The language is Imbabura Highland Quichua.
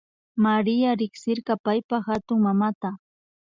Maria riksirka paypa hatunmamata